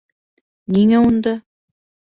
Ниңә унда?